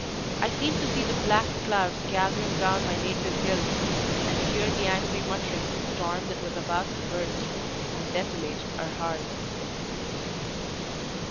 I seemed to see the black clouds gathering round my native hills, and to hear the angry muttering of a storm that was about to burst, and desolate our hearth.